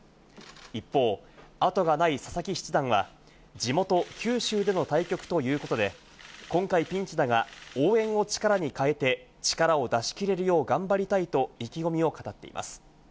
一方、あとがない佐々木七段は地元、九州での対局ということで、今回ピンチだが、応援を力に変えて、力を出し切れるよう頑張りたいと意気込みを語っています。